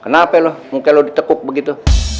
kenapa lo mungkin lo ditekuk begitu